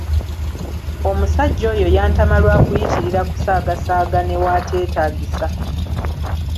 Omusajja oyo yantama lwa kuyitirira kusaagasaaga newateetaagisa.